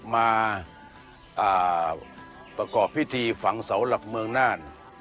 มาประกอบพิธีฝังเสาหลักเมืองน่าน